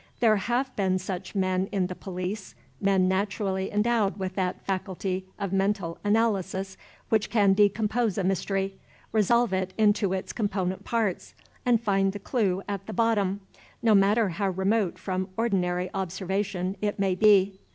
There have been such men in the police men naturally endowed with that faculty of mental analysis which can decompose a mystery, resolve it into its component parts, and find the clue at the bottom, no matter how remote from ordinary observation it may be.